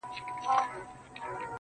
زه هم له خدايه څخه غواړمه تا.